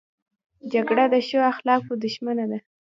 جګړه د ښو اخلاقو دښمنه ده